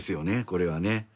これはね。